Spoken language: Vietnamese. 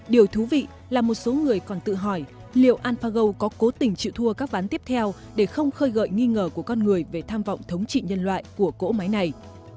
điều thú vị là một số người còn tự hỏi liệu alphago có cố tình chịu thua các ván tiếp theo để không khơi gợi nghi ngờ của con người về tham vọng thống trị nhân loại của cỗ máy này